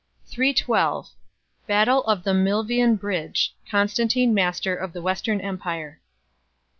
Schism at Carthage. 312 Battle of the Milvian Bridge. Constantino master of the Western empire.